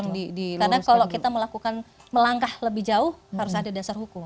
karena kalau kita melakukan melangkah lebih jauh harus ada dasar hukum